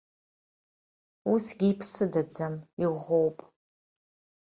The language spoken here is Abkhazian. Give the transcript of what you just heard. Усгьы иԥсыдаӡам, иӷәӷәоуп.